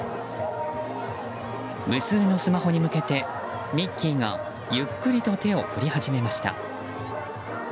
無数のスマホに向けてミッキーがゆっくりと手を振り始めました。